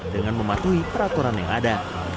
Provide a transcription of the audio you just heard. dengan mematuhi peraturan yang ada